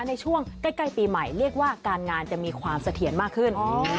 ในช่วงใกล้ปีใหม่เรียกว่าการงานจะมีความเสถียรมากขึ้น